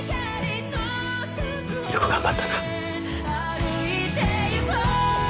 よく頑張ったな